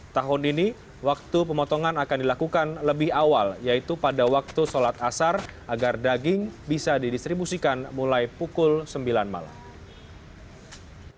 tahun ini waktu pemotongan akan dilakukan lebih awal yaitu pada waktu sholat asar agar daging bisa didistribusikan mulai pukul sembilan malam